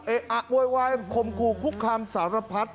เอ๊ะโวยคมกูคุกคำสารพัท